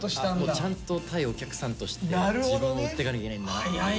ちゃんと対お客さんとして自分を売ってかなきゃいけないんだなっていう。